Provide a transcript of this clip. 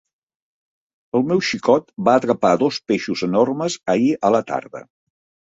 El meu xicot va atrapar dos peixos enormes ahir a la tarda.